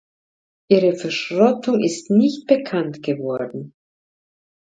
Ihre Verschrottung ist nicht bekannt geworden.